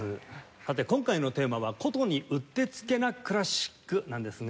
さて今回のテーマは「箏にうってつけなクラシック」なんですが。